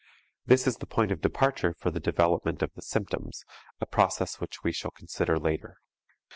This is the point of departure for the development of the symptoms, a process which we shall consider later.